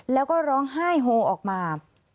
แล้วก็ร้องไห้โฮออกมา